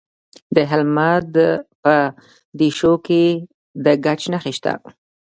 د هلمند په دیشو کې د ګچ نښې شته.